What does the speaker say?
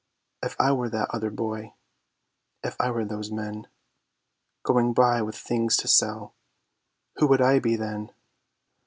_If I were that Other Boy, if I were those Men, Going by with things to sell, who would I be, then?